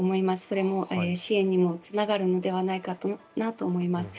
それも支援につながるのではないかと思います。